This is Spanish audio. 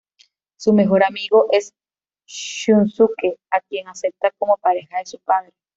Su mejor amigo es Shunsuke, a quien acepta como pareja de su padre.